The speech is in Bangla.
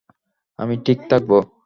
আমি ঠিক থাকবো।